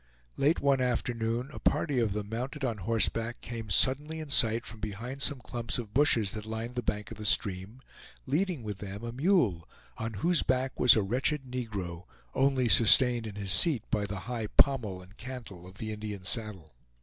Late one afternoon a party of them mounted on horseback came suddenly in sight from behind some clumps of bushes that lined the bank of the stream, leading with them a mule, on whose back was a wretched negro, only sustained in his seat by the high pommel and cantle of the Indian saddle.